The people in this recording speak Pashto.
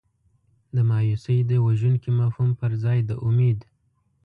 د مایوسۍ د وژونکي مفهوم پر ځای د امید.